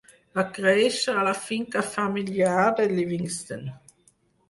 Va créixer a la finca familiar de Livingston.